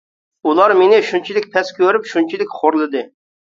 ئۇلار مېنى شۇنچىلىك پەس كۆرۈپ شۇنچىلىك خورلىدى.